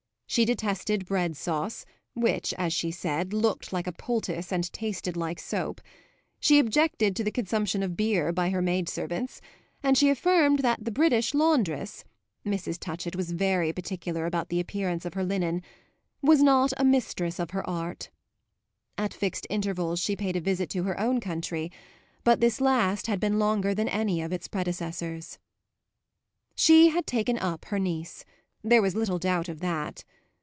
She detested bread sauce, which, as she said, looked like a poultice and tasted like soap; she objected to the consumption of beer by her maid servants; and she affirmed that the British laundress (Mrs. Touchett was very particular about the appearance of her linen) was not a mistress of her art. At fixed intervals she paid a visit to her own country; but this last had been longer than any of its predecessors. She had taken up her niece there was little doubt of that.